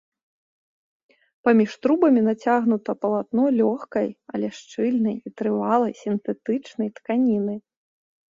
Паміж трубамі нацягнута палатно лёгкай, але шчыльнай і трывалай сінтэтычнай тканіны.